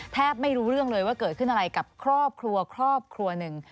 แทบไม่รู้เรื่องเลยว่าเกิดขึ้นอะไรกับครอบครัวครอบครัวหนึ่ง